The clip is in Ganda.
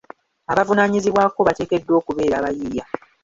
Abavunaanyizibwako bateekeddwa okubeera abayiiya.